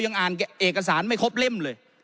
ยังอ่านเอกสารไม่ครบเล่มเลย